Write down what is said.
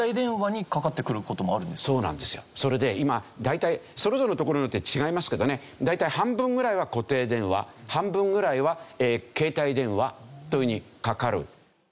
それで今大体それぞれのところによって違いますけどね大体半分ぐらいは固定電話半分ぐらいは携帯電話というふうにかかる。